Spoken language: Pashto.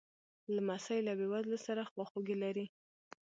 لمسی له بېوزلو سره خواخوږي لري.